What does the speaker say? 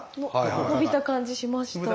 伸びた感じしました。